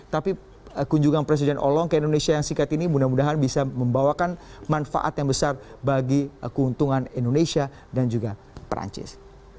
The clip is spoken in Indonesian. tapi kunjungan presiden olong ke indonesia yang singkat ini mudah mudahan bisa membawakan manfaat yang besar bagi keuntungan indonesia dan juga perancis